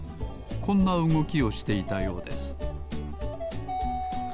こんなうごきをしていたようです